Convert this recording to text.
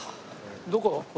どこ？